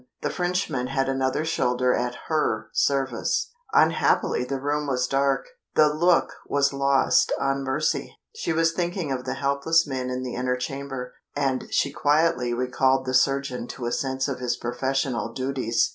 The Frenchman had another shoulder at her service. Unhappily the room was dark the look was lost on Mercy. She was thinking of the helpless men in the inner chamber, and she quietly recalled the surgeon to a sense of his professional duties.